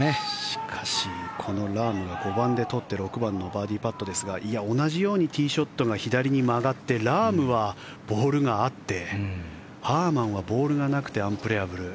しかしこのラームが５番で取って６番のバーディーパットですが同じようにティーショットが左に曲がってラームはボールがあってハーマンはボールがなくてアンプレヤブル。